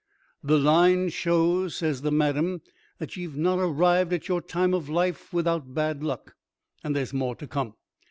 "The line shows," says the Madame, "that ye've not arrived at your time of life without bad luck. And there's more to come.